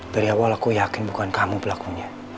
dari awal aku yakin bukan kamu pelakunya